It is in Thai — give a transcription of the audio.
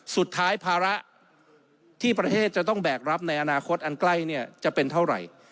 สุดท้ายภาระที่ประเทศจะต้องแบกรับในอนาคตอันใกล้เนี่ยจะเป็นเท่าไหร่